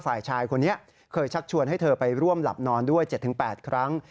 ฝ่ายชายคนนี้เคยชักชวนให้เธอไปร่วมหลับนอนด้วย๗๘ครั้ง